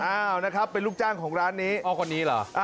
อ้าวนะครับเป็นลูกจ้างของร้านนี้อ๋อคนนี้เหรอ